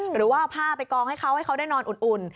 หรือว่าเอาผ้าไปกองให้เขาให้เขาได้นอนอุ่น